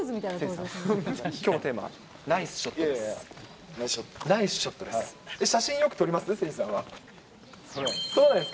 きょうのテーマはナイスショットです。